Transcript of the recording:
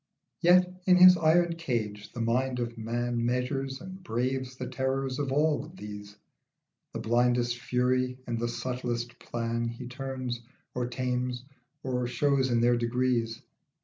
Yet in his iron cage the mind of man Measures and braves the terrors of all these. The blindest fury and the subtlest plan He turns, or tames, or shows in their degrees.